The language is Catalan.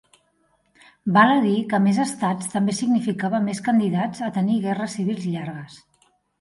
Val a dir que més estats també significava més candidats a tenir guerres civils llargues.